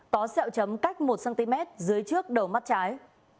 có xeo chấm cách một cm dưới trước đầu mắt trái